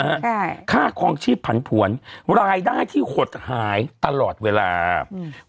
ใช่ค่าคลองชีพผันผวนรายได้ที่หดหายตลอดเวลาอืม